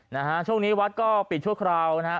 นะฮะช่วงนี้วัดก็ปิดชั่วคราวนะฮะ